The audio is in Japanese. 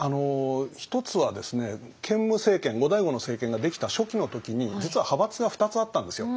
１つはですね建武政権後醍醐の政権ができた初期の時に実は派閥が２つあったんですよ。